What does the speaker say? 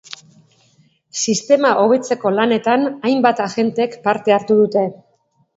Sistema hobetzeko lanetan hainbat agentek parte hartu dute.